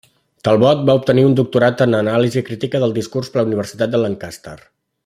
Talbot va obtenir un doctorat en anàlisi crítica del discurs per la Universitat de Lancaster.